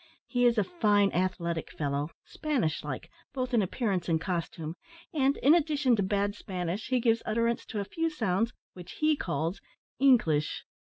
He is a fine athletic fellow Spanish like, both in appearance and costume; and, in addition to bad Spanish, gives utterance to a few sounds, which he calls "Encleesh."